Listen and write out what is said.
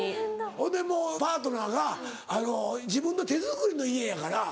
ほんでもうパートナーが自分の手作りの家やから。